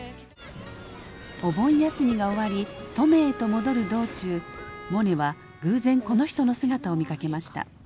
お盆休みが終わり登米へと戻る道中モネは偶然この人の姿を見かけました。